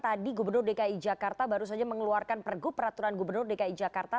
tadi gubernur dki jakarta baru saja mengeluarkan pergub peraturan gubernur dki jakarta